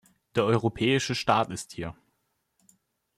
Der europäische Staat ist hier.